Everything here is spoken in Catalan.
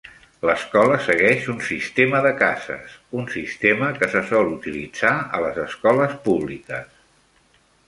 L'escola segueix un sistema de cases, un sistema que se sol utilitzar a les escoles públiques.